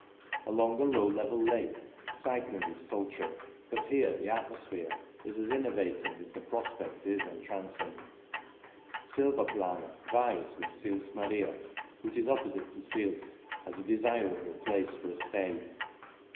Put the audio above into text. Along a low level lake cycling is sultry, but here the atmosphere is as innervating as the prospect is en trancing. Silvaplana vies with Sils Maria, which is opposite to Sils, as a desirable place for a stay.